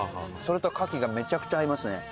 それと牡蠣がめちゃくちゃ合いますね。